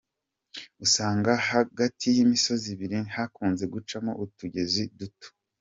usanga hagati y'imisozi ibiri hakunze gucamo utugezi duto.